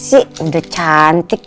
sih udah cantik